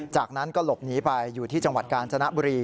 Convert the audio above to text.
จากนั้นก็หลบหนีไปอยู่ที่จังหวัดกาญจนบุรี